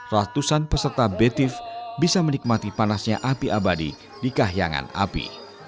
ratusan peserta betif bisa menikmati panasnya api abadi di kahiyangan api